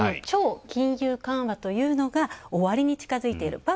超金融緩和というのが、終わりに近づいている。